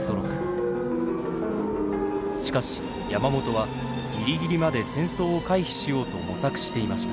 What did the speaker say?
しかし山本はギリギリまで戦争を回避しようと模索していました。